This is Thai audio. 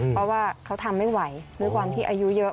เพราะว่าเขาทำไม่ไหวด้วยความที่อายุเยอะ